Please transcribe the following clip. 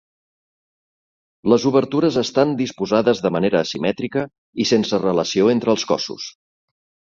Les obertures estan disposades de manera asimètrica i sense relació entre els cossos.